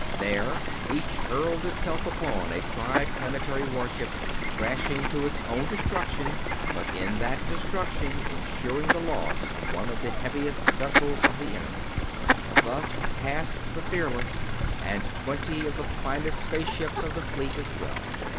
There each hurled itself upon a Triplanetary warship, crashing to its own destruction, but in that destruction insuring the loss of one of the heaviest vessels of the enemy. Thus passed the Fearless, and twenty of the finest space ships of the fleet as well.